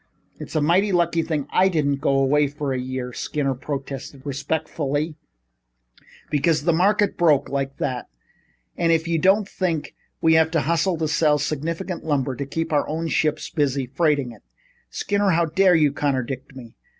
"It's a mighty lucky thing I didn't go away for a year," Skinner protested respectfully, "because the market broke like that and if you don't think we have to hustle to sell sufficient lumber to keep our own ships busy freighting it " "Skinner, how dare you contradict me?